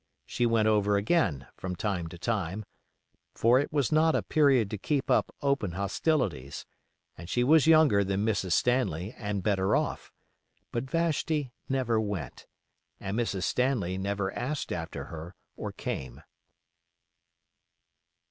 She went over again, from time to time, for it was not a period to keep up open hostilities, and she was younger than Mrs. Stanley and better off; but Vashti never went, and Mrs. Stanley never asked after her or came.